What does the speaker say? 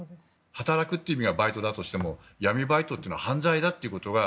働くという意味がバイトだとしても闇バイトは犯罪だということが。